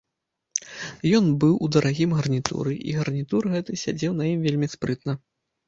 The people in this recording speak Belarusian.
Ён быў у дарагім гарнітуры, і гарнітур гэты сядзеў на ім вельмі спрытна.